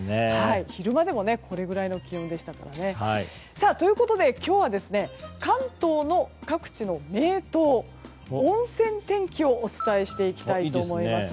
昼間でもこれくらいの気温でしたからね。ということで、今日は関東各地の名湯温泉天気をお伝えしていきたいと思います。